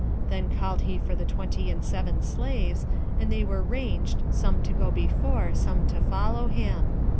Then called he for the twenty and seven slaves, and they were ranged, some to go before, some to follow him.